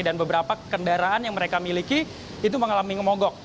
dan beberapa kendaraan yang mereka miliki itu mengalami ngemogok